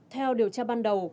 theo điều tra ban đầu